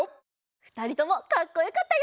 ふたりともかっこよかったよ！